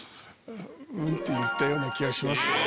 「うん」って言ったような気がしますけど。